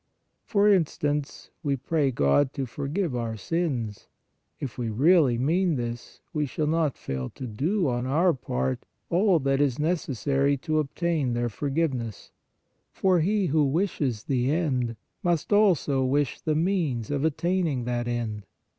For instance, we pray God to forgive our sins; if we really mean this, we shall not fail to do, on our part, all that is necessary to obtain 48 PRAYER their forgiveness, for he who wishes the end, must also wish the means of attaining that end.